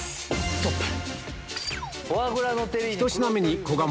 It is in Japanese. ストップ！